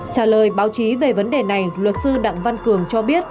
trả lời báo chí về vấn đề này luật sư đặng văn cường cho biết